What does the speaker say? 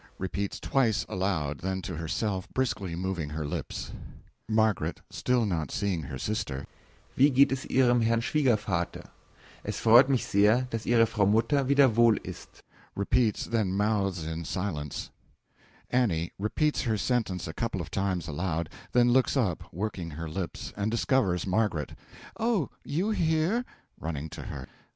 Repeats twice aloud, then to herself, briskly moving her lips.) M. (Still not seeing her sister.) Wie geht es Ihrem Herrn Schwiegervater? Es freut mich sehr dass Ihre Frau Mutter wieder wohl ist. (Repeats. Then mouths in silence.) A. (Repeats her sentence a couple of times aloud; then looks up, working her lips, and discovers Margaret.) Oh, you here? (Running to her.)